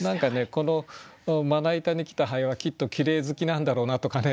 このまな板に来た蠅はきっときれい好きなんだろうなとかね